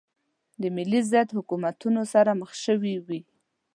د ملي ضد حکومتونو سره مخ شوې وې.